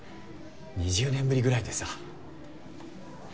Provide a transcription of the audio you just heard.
２０年ぶりぐらいでさ。